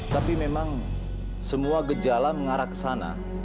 tapi memang semua gejala mengarah ke sana